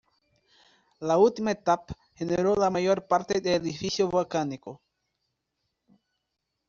La última etapa generó la mayor parte del edificio volcánico.